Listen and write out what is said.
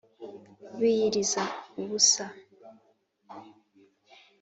biyiriza ubusa .